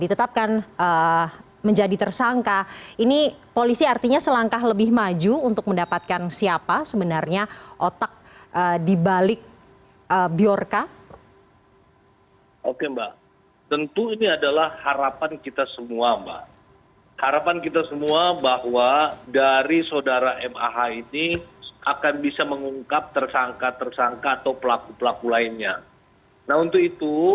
semua orang sudah mempertanyakan mengenai kinerja dan profesionalisme polisi